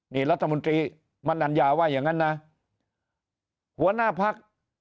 นี่รัฐมนตรีมนัญญาว่าอย่างนั้นนะหัวหน้าพัก